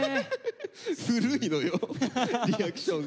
古いのよリアクションが。